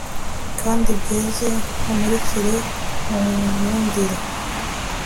kandi byeze nkumurikire, nkurundire